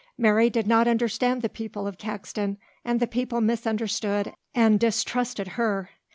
Mary did not understand the people of Caxton and the people misunderstood and distrusted her.